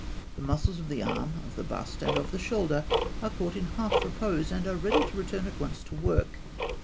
The muscles of the arm, of the bust, and of the shoulder are caught in half repose, and are ready to return at once to work.